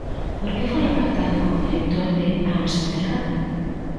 Por que foi apartado como director de A Nosa Terra?